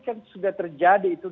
kan sudah terjadi itu